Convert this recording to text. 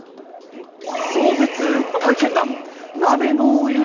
壮絶体験談。